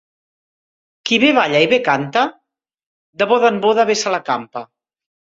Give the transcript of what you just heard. Qui bé balla i bé canta, de boda en boda bé se la campa.